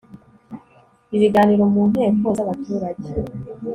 Ibiganiro mu nteko z abaturage